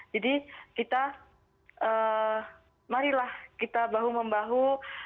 jadi kita marilah kita bahu membahu